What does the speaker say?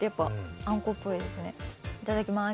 いただきます